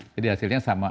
jadi hasilnya sama